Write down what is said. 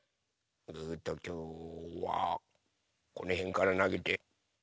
えときょうはこのへんからなげて。